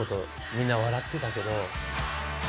みんな笑ってたけど。